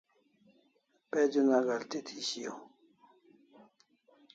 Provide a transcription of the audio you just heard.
Page una galti thi shiau